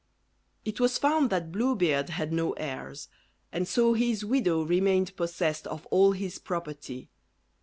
It was found that Blue Beard had no heirs, and so his widow remained possessed of all his property.